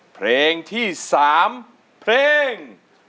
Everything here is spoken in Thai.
เพลงที่๓เพลง